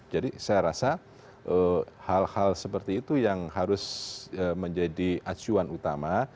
jadi saya rasa hal hal seperti itu yang harus menjadi acuan utama